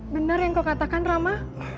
benar yang kau katakan rama